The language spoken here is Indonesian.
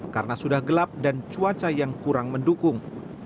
karena sudah gelap dan cuaca yang kurang mendukung